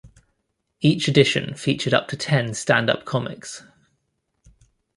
Each edition featured up to ten stand-up comics.